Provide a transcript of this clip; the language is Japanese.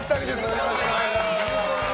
よろしくお願いします。